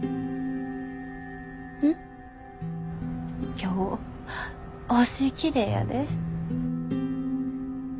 今日星きれいやで。